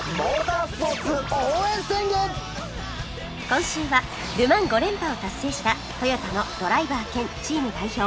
今週はル・マン５連覇を達成したトヨタのドライバー兼チーム代表